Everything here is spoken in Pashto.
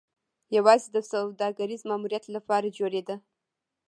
یوازې د سوداګریز ماموریت لپاره جوړېده